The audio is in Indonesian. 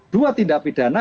dua tindak pidana